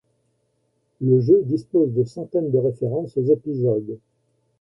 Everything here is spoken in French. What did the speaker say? Le jeu dispose de centaines de références aux épisodes.